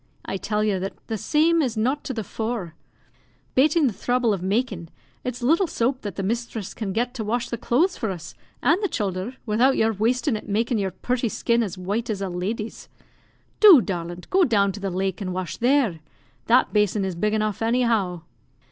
I tell yer that that same is not to the fore; bating the throuble of makin', it's little soap that the misthress can get to wash the clothes for us and the childher, widout yer wastin' it in makin' yer purty skin as white as a leddy's. Do, darlint, go down to the lake and wash there; that basin is big enough, any how."